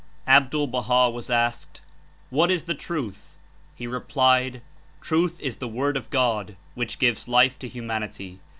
Abdul Baha was asked, "What is the truth?" He [v] replied, "Truth is the Word of God, which gives life to humanity.